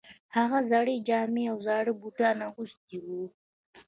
هغه زړې جامې او زاړه بوټان اغوستي وو